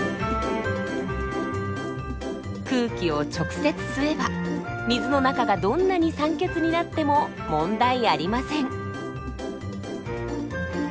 空気を直接吸えば水の中がどんなに酸欠になっても問題ありません。